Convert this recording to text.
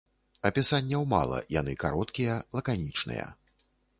Апісанняў мала, яны кароткія, лаканічныя.